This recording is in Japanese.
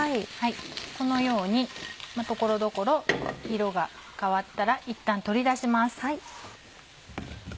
このように所々色が変わったらいったん取り出します。